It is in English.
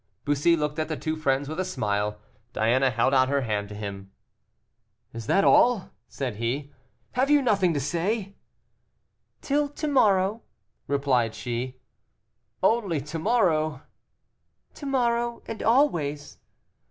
Bussy looked at the two friends with a smile. Diana held out her hand to him. "Is that all?" said he; "have you nothing to say?" "Till to morrow," replied she. "Only to morrow." "To morrow, and always."